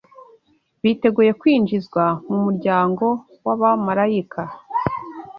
biteguye kwinjizwa mu muryango w’abamarayika